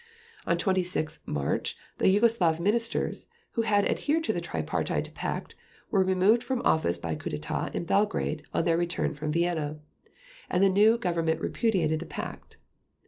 On 26 March the Yugoslav Ministers, who had adhered to the Tripartite Pact, were removed from office by a coup d'état in Belgrade on their return from Vienna, and the new Government repudiated the Pact.